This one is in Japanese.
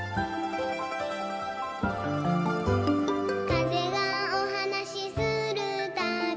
「かぜがおはなしするたび」